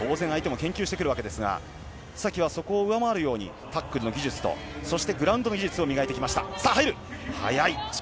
当然、相手も研究してくるわけですが須崎はそこを上回るようにタックルとグラウンドの技術を上げてきました。